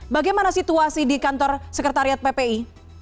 bagaimana situasi di kantor sekretariat ppi